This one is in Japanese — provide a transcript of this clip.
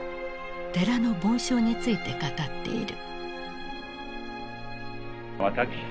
寺の梵鐘について語っている。